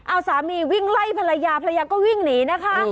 เอาสามีวิ่งไล่ภรรยาภรรยาก็วิ่งหนีนะคะ